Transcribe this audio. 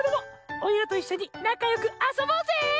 おいらといっしょになかよくあそぼうぜ！